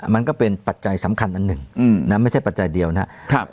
มันก็เป็นปัจจัยสำคัญอันหนึ่งนะไม่ใช่ปัจจัยเดียวนะครับ